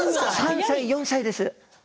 ３歳、４歳です。